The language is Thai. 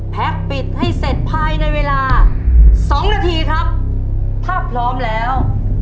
ปิดให้เสร็จภายในเวลาสองนาทีครับถ้าพร้อมแล้ว